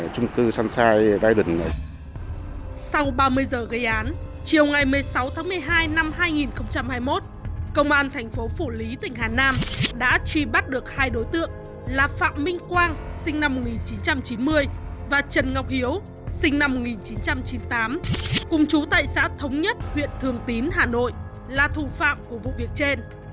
cùng chú tại xã thống nhất huyện thường tín hà nội là thù phạm của vụ việc trên